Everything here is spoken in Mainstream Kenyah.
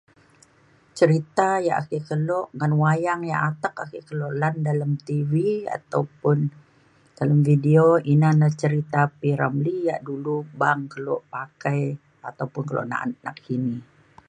cerita yak ake kelo ngan wayang yak ake atek kelo lan dalem TV ataupun dalem video ina na cerita P. Ramlee yak dulu bang kelo pakai ataupun kelo na’at nakini.